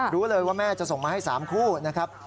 รู้เลยว่าแม่จะส่งมาให้๓คู่นะครับ